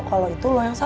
kalau itu lo yang susah